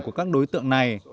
của các đối tượng này